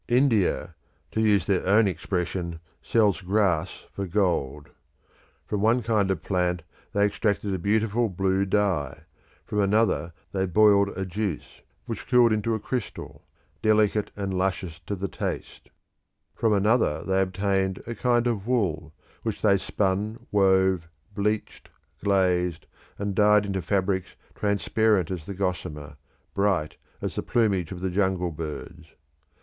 India, to use their own expression, sells grass for gold. From one kind of plant they extracted a beautiful blue dye: from another they boiled a juice, which cooled into a crystal, delicate and luscious to the taste; from another they obtained a kind of wool, which they spun, wove, bleached, glazed, and dyed into fabrics transparent as the gossamer, bright as the plumage of the jungle birds.